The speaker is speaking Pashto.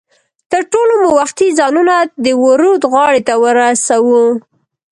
تر ټولو مو وختي ځانونه د ورد غاړې ته ورسو.